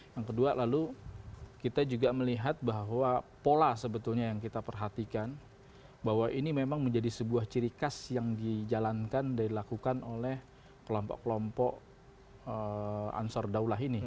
yang kedua lalu kita juga melihat bahwa pola sebetulnya yang kita perhatikan bahwa ini memang menjadi sebuah ciri khas yang dijalankan dan dilakukan oleh kelompok kelompok ansur daulah ini